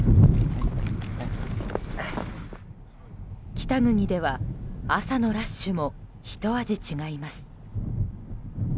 北国では朝のラッシュもひと味違います。